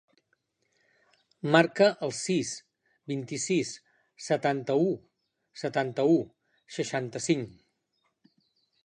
Marca el sis, vint-i-sis, setanta-u, setanta-u, seixanta-cinc.